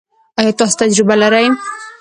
ایا تاسو تجربه لرئ؟